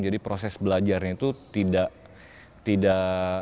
jadi proses belajarnya itu tidak hirarkial